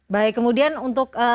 baik kemudian untuk